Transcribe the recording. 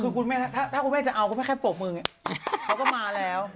คือคุณแม่ถ้าคุณแม่จะเอาคุณแม่แค่ปรบมือเขาก็มาแล้ว